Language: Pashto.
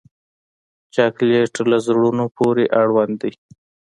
چاکلېټ له زړونو پورې اړوند دی.